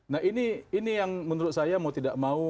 nah ini yang menurut saya mau tidak mau